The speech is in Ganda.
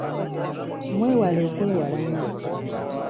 Mwewale okwewalana.